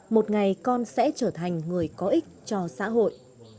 một ngày con sẽ trở thành người có ích cho xã hội